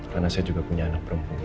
karena saya juga punya anak perempuan